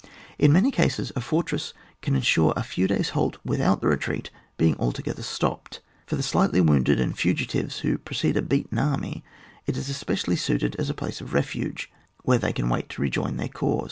In many cases a fortress can ensure a few days' halt without the retreat being altogether stopped. For the slightly wounded and fugitives who precede a beaten army, it is especially suited as a place of refuge, where they can wait to rejoin their corps.